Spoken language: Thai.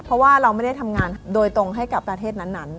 เพราะว่าเราไม่ได้ทำงานโดยตรงให้กับประเทศนั้น